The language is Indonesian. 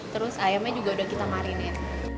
terus ayamnya juga udah kita marin ya